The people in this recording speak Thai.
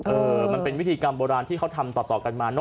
เออมันเป็นวิธีกรรมโบราณที่เขาทำต่อกันมาเนอ